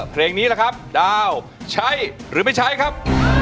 เพลงนี้ล่ะครับดาวใช้หรือไม่ใช้ครับ